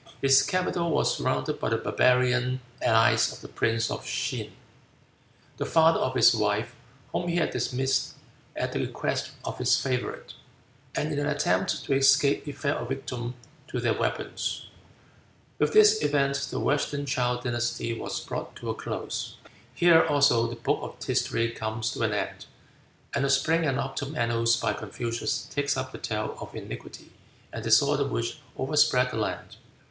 His capital was surrounded by the barbarian allies of the Prince of Shin, the father of his wife, whom he had dismissed at the request of his favorite, and in an attempt to escape he fell a victim to their weapons. With this event the Western Chow dynasty was brought to a close. Here, also, the Book of History comes to an end, and the Spring and Autumn Annals by Confucius takes up the tale of iniquity and disorder which overspread the land.